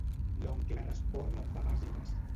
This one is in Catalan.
L'oncle respon amb evasives.